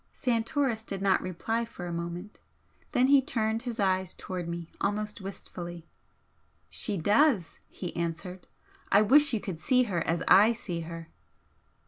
Santoris did not reply for a moment. Then he turned his eyes towards me almost wistfully. "She does!" he answered "I wish you could see her as I see her!"